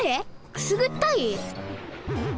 くすぐったい？